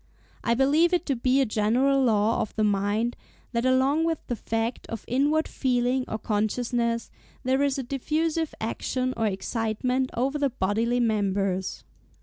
I believe it to be a general law of the mind that along with the fact of inward feeling or consciousness, there is a diffusive action or excitement over the bodily members."